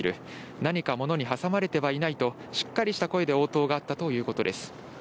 何か物に挟まれてはいないと、しっかりした声で応答があったということです。